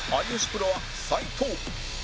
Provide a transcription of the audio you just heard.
プロは斎藤